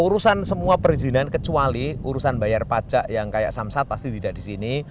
urusan semua perizinan kecuali urusan bayar pajak yang seperti samsat pasti tidak disini